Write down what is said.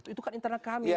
itu kan internal kami